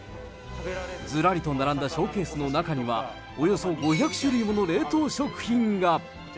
ずらりと並んだショーケースの中には、およそ５００種類もの冷凍食品が。